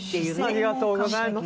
「ありがとうございます」